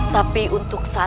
tapi untuk saat ini